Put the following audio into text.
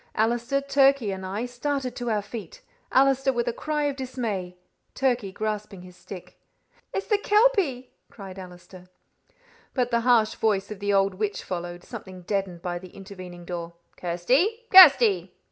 Allister, Turkey, and I started to our feet, Allister with a cry of dismay, Turkey grasping his stick. "It's the kelpie!" cried Allister. But the harsh voice of the old witch followed, something deadened by the intervening door. "Kirsty! Kirsty!"